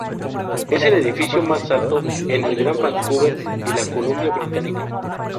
Es el edificio más alto en el Gran Vancouver y la Columbia Británica.